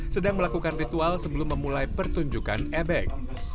sedang melakukan ritual sebelum memulai pertunjukan ebek